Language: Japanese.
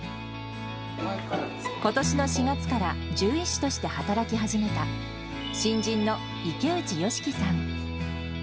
ことしの４月から獣医師として働き始めた、新人の池内よしきさん。